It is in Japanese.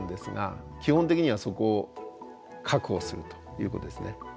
基本的にはそこを確保するということですね。